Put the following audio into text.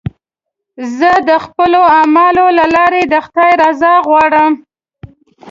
زه د خپلو اعمالو له لارې د خدای رضا غواړم.